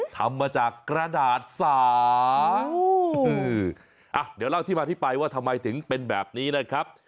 ทำมาจากกระดาษสาวอ่ะเดี๋ยวเล่าที่มาที่ไปว่าทำไมถึงเป็นแบบนี้นะครับ